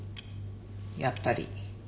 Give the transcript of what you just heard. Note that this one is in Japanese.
やっぱり。